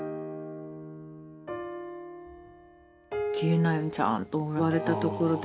消えないようにちゃんと割れたところでね。